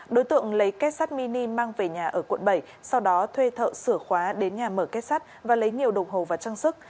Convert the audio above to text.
đối tượng lấy kết sắt mini mang về nhà ở quận bảy sau đó thuê thợ sửa khóa đến nhà mở kết sắt và lấy nhiều đồng hồ và trang sức